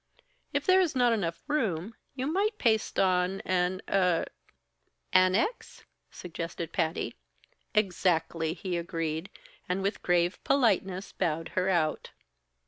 If there is not enough room, you might paste on an er " "Annex?" suggested Patty. "Exactly," he agreed and with grave politeness bowed her out.